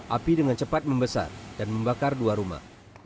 api dengan cepat membesar dan membakar dua rumah